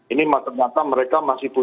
ini ternyata mereka masih punya